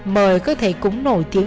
mời các thầy cúng nổi tiếng